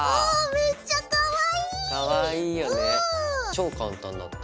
超簡単だった。